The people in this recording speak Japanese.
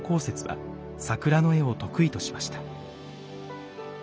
雪は桜の絵を得意としました。